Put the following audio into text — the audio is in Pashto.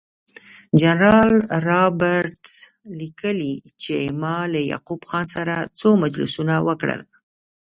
جنرال رابرټس لیکي چې ما له یعقوب خان سره څو مجلسونه وکړل.